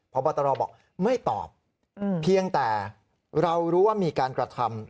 พบตรบอกไม่ตอบเพียงแต่เรารู้ว่ามีการกระทำ